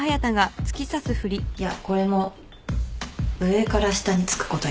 いやこれも上から下に突くことになる。